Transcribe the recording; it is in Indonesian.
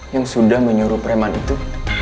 yang sudah menyuruh preman itu